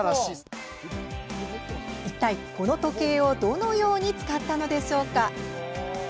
いったい、この時計をどのように使ったのでしょうか。